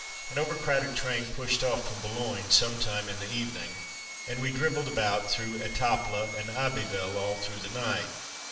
An overcrowded train pushed off from Boulogne some time in the evening, and we drivelled about through Etaples and Abbe ville all through the night.